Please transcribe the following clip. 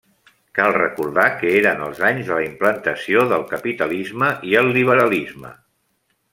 Cal recordar que eren els anys de la implantació del capitalisme i el liberalisme.